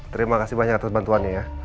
terima kasih banyak atas bantuannya ya